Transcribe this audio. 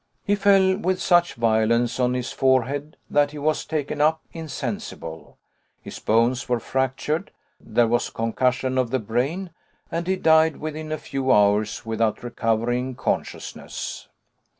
He fell with such violence on his forehead that he was taken up insensible. His bones were fractured, there was concussion of the brain, and he died within a few hours without recovering consciousness.